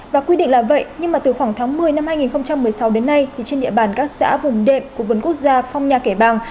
và quy định là vậy nhưng mà từ khoảng tháng một mươi năm hai nghìn một mươi sáu đến nay thì trên địa bàn các xã vùng đệm của vườn quốc gia phong nha kẻ bàng